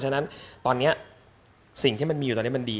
ฉะนั้นตอนนี้สิ่งที่มันมีอยู่ตอนนี้มันดี